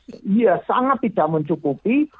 iya sangat tidak mencukupi